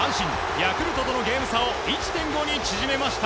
ヤクルトとのゲーム差を１．５に縮めました。